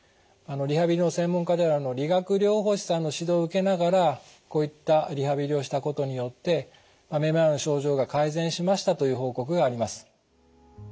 リハビリの専門家である理学療法士さんの指導を受けながらこういったリハビリをしたことによってめまいの症状が改善しましたという報告があります。